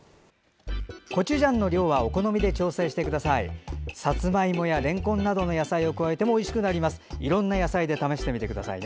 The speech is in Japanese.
コチュジャンの量はお好みで調整してみてください。